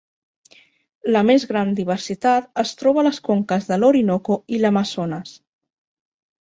La més gran diversitat es troba a les conques de l'Orinoco i l'Amazones.